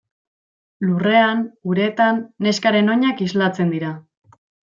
Lurrean, uretan, neskaren oinak islatzen dira.